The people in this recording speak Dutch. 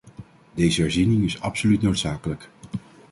Deze herziening is absoluut noodzakelijk.